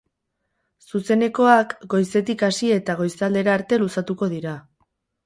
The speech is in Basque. Zuzenekoak goizetik hasi eta goizaldera arte luzatuko dira.